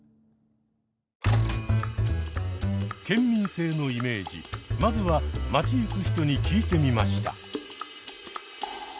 県民性のイメージまずは街ゆく人に聞いてみました！